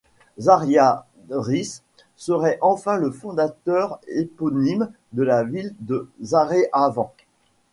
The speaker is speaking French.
Zariadris serait enfin le fondateur éponyme de la ville de Zaréhavan.